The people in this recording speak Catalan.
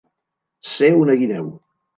Ser una guineu.